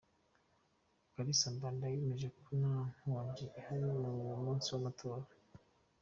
Kalisa Mbanda yemeje ko nta konji ihari ku munsi w’amatora.